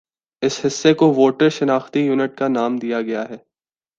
اس حصہ کو ووٹر شناختی یونٹ کا نام دیا گیا ہے